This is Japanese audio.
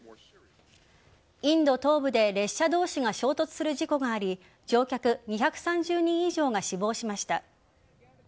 インド東部で列車同士が衝突する事故があり乗客２３０人以上が死亡しました。